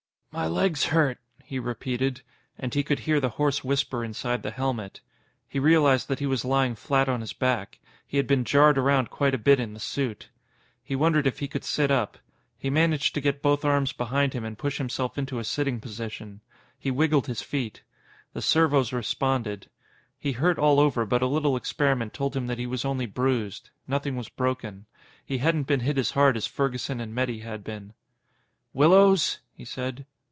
"My legs hurt," he repeated. And he could hear the hoarse whisper inside the helmet. He realized that he was lying flat on his back. He had been jarred around quite a bit in the suit. He wondered if he could sit up. He managed to get both arms behind him and push himself into a sitting position. He wiggled his feet. The servos responded. He hurt all over, but a little experiment told him that he was only bruised. Nothing was broken. He hadn't been hit as hard as Ferguson and Metty had been. "Willows?" he said.